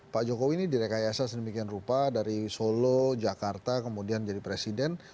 pak jokowi ini direkayasa sedemikian rupa dari solo jakarta kemudian jadi presiden